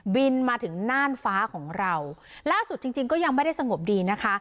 บินมาถึงน่านฟ้าของเราล่าสุดจริงจริงก็ยังไม่ได้สงบดีนะคะ